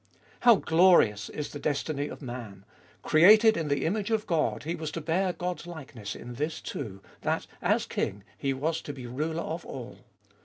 How glorious is the destiny of man ! Created in the image of God, he was to bear God's likeness in this too, that as king he was to be ruler of all.